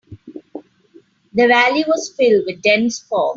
The valley was filled with dense fog.